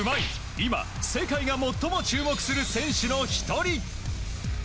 今、世界が最も注目する選手の１人。